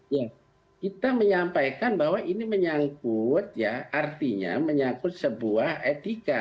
ya kita menyampaikan bahwa ini menyangkut ya artinya menyangkut sebuah etika